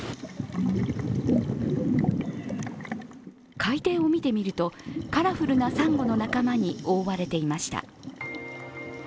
海底を見てみると、カラフルなさんごの仲間に覆われていました。